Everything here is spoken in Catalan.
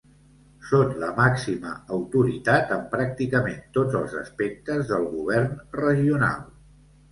Són la màxima autoritat en pràcticament tots els aspectes del govern regional.